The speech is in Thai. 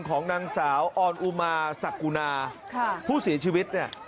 ของนางสาวออนอุมาสักกุณาผู้เสียชีวิตเนี่ย